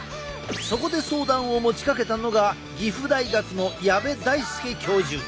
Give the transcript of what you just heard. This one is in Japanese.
そこで相談を持ちかけたのが岐阜大学の矢部大介教授。